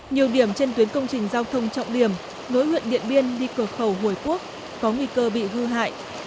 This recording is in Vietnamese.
nhiều điểm trên tuyến công trình giao thông trọng điểm nối huyện điện biên đi cửa khẩu hồi quốc có nguy cơ bị hư hại